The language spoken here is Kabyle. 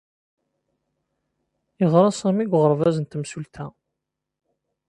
Yeɣra Sami deg uɣerbaz n temsulta